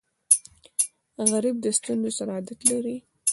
غریب د ستونزو سره عادت لري